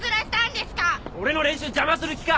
俺の練習邪魔する気か！？